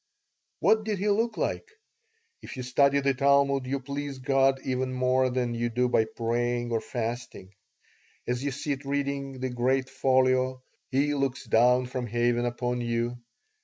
What did he look like? If you study the Talmud you please God even more than you do by praying or fasting. As you sit reading the great folio He looks down from heaven upon you.